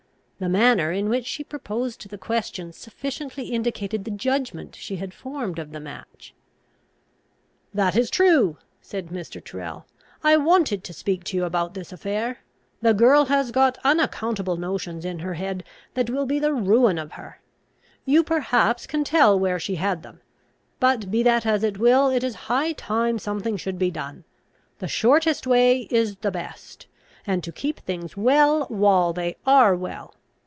The manner in which she proposed the question, sufficiently indicated the judgment she had formed of the match. "That is true," said Mr. Tyrrel, "I wanted to speak to you about this affair. The girl has got unaccountable notions in her head, that will be the ruin of her. You perhaps can tell where she had them. But, be that as it will, it is high time something should be done. The shortest way is the best, and to keep things well while they are well.